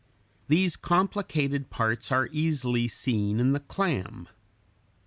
These complicated parts are easily seen in the clam (Fig.